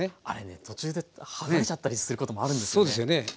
あれね途中ではがれちゃったりすることもあるんですよね。